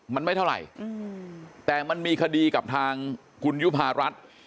มันไม่เท่าไหร่แต่มันมีคดีกับทางคุณยุภารัฐ